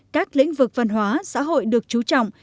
các lĩnh vực văn hóa xã hội được trú trọng